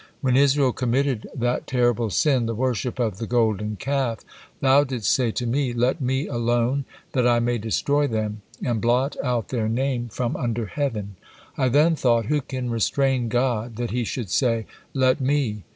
When Israel committed that terrible sin, the worship of the Golden Calf, Thou didst say to me, 'Let Me alone, that I may destroy them, and blot out their name from under heaven.' I then thought, 'Who can restrain God, that He should say, "Let Me?"